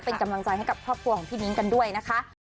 เป็นกำลังใจให้กับครอบครัวของพี่นิ้งกันด้วยนะคะ